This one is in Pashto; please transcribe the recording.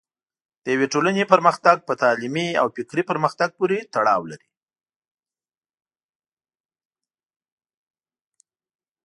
د یوې ټولنې پرمختګ په تعلیمي او فکري پرمختګ پورې تړاو لري.